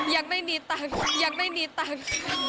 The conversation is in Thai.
ยังไม่มีตังค์